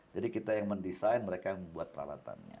jadi kita yang mendesain mereka yang membuat peralatannya